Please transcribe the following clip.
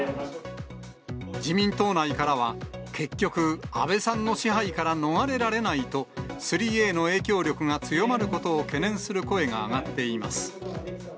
自民党内からは、結局、安倍さんの支配から逃れられないと、３Ａの影響力が強まることを懸念する声が上がっています。